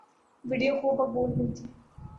video خوب مقبول ہوئی تھی